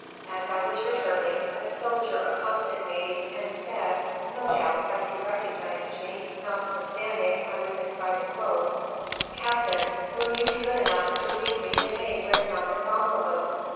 As I was returning, a soldier accosted me, and said (no doubt as he recognized me, notwithstanding I was in private clothes), 'Captain, will you be good enough to read me the name written on this envelope?